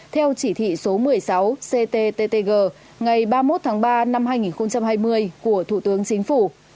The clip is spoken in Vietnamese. theo chỉ thị số một mươi sáu cttg ngày ba mươi một tháng ba năm hai nghìn hai mươi của thủ tướng chính phủ